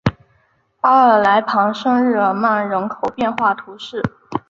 阿尔来旁圣日耳曼人口变化图示